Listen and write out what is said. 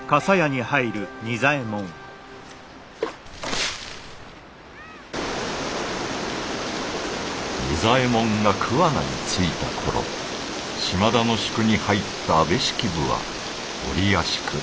仁左衛門が桑名に着いた頃島田の宿に入った安部式部は折あしく